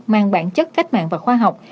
mang bản chất cách mạng và khoa học